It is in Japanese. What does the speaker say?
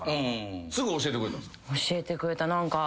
すぐ教えてくれたんすか？